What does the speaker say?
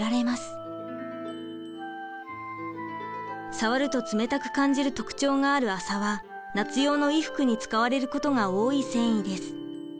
触ると冷たく感じる特徴がある麻は夏用の衣服に使われることが多い繊維です。